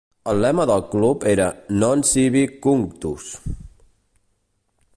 El lema del club era "Non Sibi Cunctus".